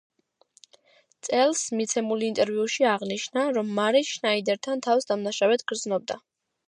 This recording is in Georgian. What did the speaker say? წელს მიცემულ ინტერვიუში აღნიშნა, რომ მარი შნაიდერთან თავს დამნაშავედ გრძნობდა.